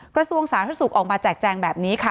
กระทรวงสาธารณสุขออกมาแจกแจงแบบนี้ค่ะ